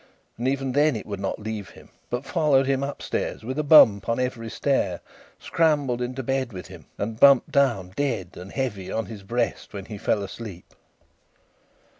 And even then it would not leave him, but followed him upstairs with a bump on every stair, scrambled into bed with him, and bumped down, dead and heavy, on his breast when he fell asleep.